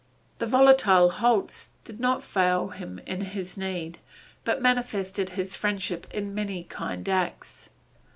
The volatile Holz did not fail him in his need, but manifested his friendship by many kind acts.